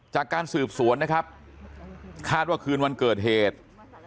จากการสืบสวนนะครับคาดว่าคืนวันเกิดเหตุ